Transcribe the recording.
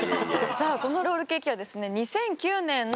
さあこのロールケーキはですね